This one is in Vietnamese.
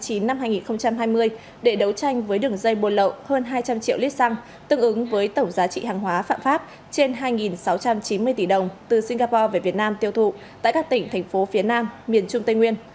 công an tỉnh đồng nai xác lập vào tháng chín năm hai nghìn hai mươi để đấu tranh với đường dây buôn lộ hơn hai trăm linh triệu lít xăng tương ứng với tổng giá trị hàng hóa phạm pháp trên hai sáu trăm chín mươi tỷ đồng từ singapore về việt nam tiêu thụ tại các tỉnh thành phố phía nam miền trung tây nguyên